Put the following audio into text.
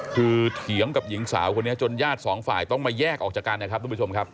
คือเถียงกับหญิงสาวคนนี้จนญาติสองฝ่ายต้องมาแยกออกจากกันนะครับทุกผู้ชมครับ